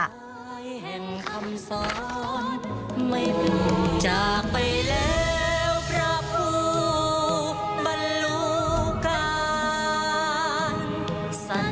ให้สุดท้ายแห่งคำสอนไม่เปล่า